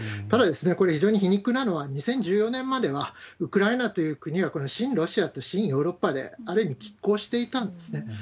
ただ、これ非常に皮肉なのは、２０１４年までは、ウクライナという国は親ロシアと親ヨーロッパで、ある意味きっ抗していたんですね。